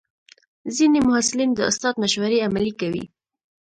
ځینې محصلین د استاد مشورې عملي کوي.